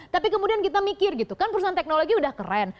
tapi kemudian kita mikir gitu kan perusahaan teknologi udah keren